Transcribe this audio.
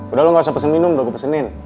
udah lo gak usah pesen minum udah gue pesenin